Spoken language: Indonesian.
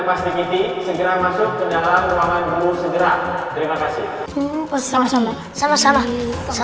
pasti segera masuk ke dalam ruangan guru segera terima kasih sama sama sama sama sama sama